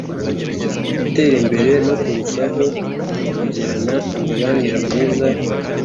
gutera imbere no kurushaho kugirana imibanire myiza